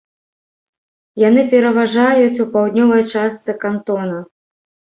Яны пераважаюць у паўднёвай частцы кантона.